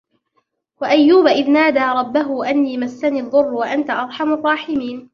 وَأَيُّوبَ إِذْ نَادَى رَبَّهُ أَنِّي مَسَّنِيَ الضُّرُّ وَأَنْتَ أَرْحَمُ الرَّاحِمِينَ